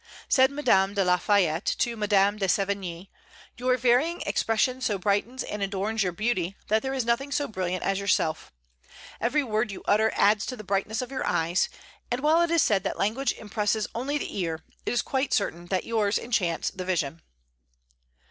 Said Madame de la Fayette to Madame de Sévigné: "Your varying expression so brightens and adorns your beauty, that there is nothing so brilliant as yourself: every word you utter adds to the brightness of your eyes; and while it is said that language impresses only the ear, it is quite certain that yours enchants the vision."